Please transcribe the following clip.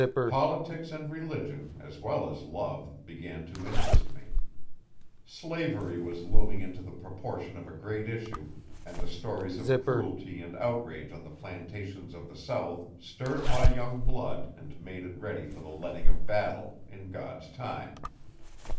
Politics and religion, as well as love, began to interest me. Slavery was looming into the proportion of a great issue, and the stories of cruelty and outrage on the plantations of the South stirred my young blood and made it ready for the letting of battle, in God's time.